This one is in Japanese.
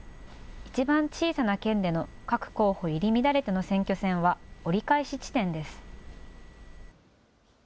一番小さな県での、各候補入り乱れての選挙戦は、折り返し地点です。